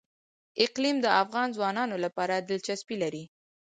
اقلیم د افغان ځوانانو لپاره دلچسپي لري.